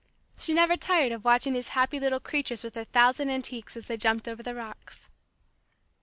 She never tired of watching these happy little creatures with their thousand antics as thy jumped over the rocks.